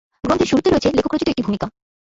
গ্রন্থের শুরুতে রয়েছে লেখক রচিত একটি ভূমিকা।